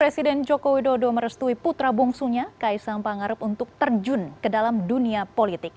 presiden jokowi dodo merestui putra bungsunya kaisang pengharap untuk terjun ke dalam dunia politik